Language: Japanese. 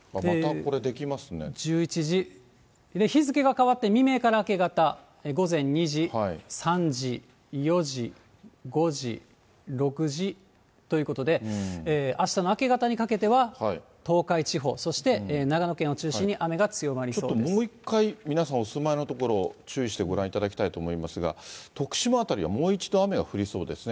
１１時、日付が変わって、未明から明け方、午前２時、３時、４時、５時、６時ということで、あしたの明け方にかけては東海地方、そして長野県を中心に、ちょっともう一回、皆さんお住まいの所、注意してご覧いただきたいと思いますが、徳島辺りはもう一度雨が降りそうですね。